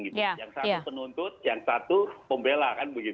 yang satu penuntut yang satu pembela